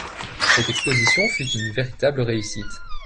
Cette exposition fut une véritable réussite.